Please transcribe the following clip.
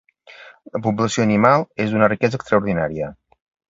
La població animal és d'una riquesa extraordinària.